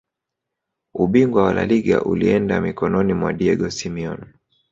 ubingwa wa laliga ulienda mikononi mwa diego simeone